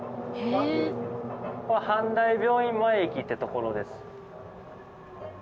ここ阪大病院前駅って所です。